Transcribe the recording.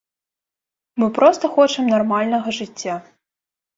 Мы проста хочам нармальнага жыцця.